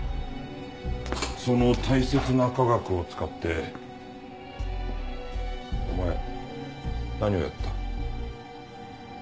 その大切な科学を使ってお前何をやった？